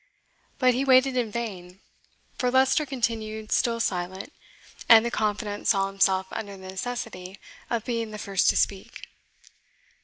But he waited in vain, for Leicester continued still silent, and the confidant saw himself under the necessity of being the first to speak.